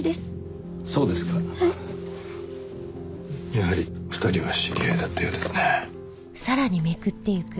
やはり２人は知り合いだったようですね。